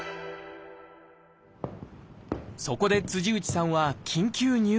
そこで内さんは緊急入院。